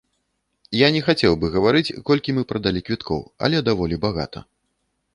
Я не хацеў бы гаварыць колькі мы прадалі квіткоў, але даволі багата.